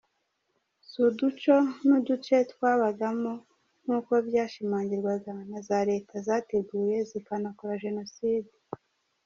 Si uduco n’uduce twababamo nk’uko byashimangirwaga na za Leta zateguye zikanakora Jenoside.